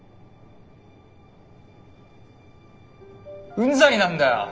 うんざりなんだよ。